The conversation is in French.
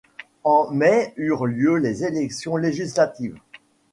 En mai eurent lieu les élections législatives.